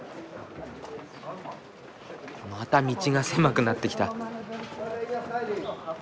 また道が狭くなってきた。